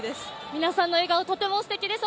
皆さんの笑顔とてもすてきです。